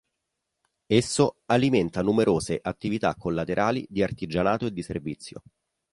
Esso alimenta numerose attività collaterali di artigianato e di servizio.